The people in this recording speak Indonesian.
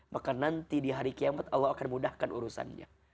maka nanti di hari kiamat allah akan mudahkan urusannya